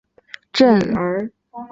镇边城的历史年代为明代。